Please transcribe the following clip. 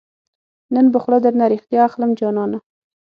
نن به خوله درنه ريښتیا اخلم جانانه